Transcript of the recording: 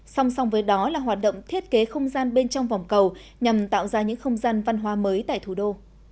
song song với đó là hoạt động thiết kế không gian bên trong vòng cầu nhằm tạo ra những không gian văn hóa mới tại thủ đô